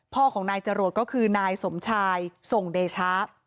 พ่อของนายจรวดก็คือนายสมชายส่งเดชะ